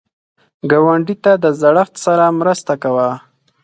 ګاونډي ته د زړښت سره مرسته کوه